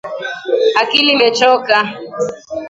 Akili imechoka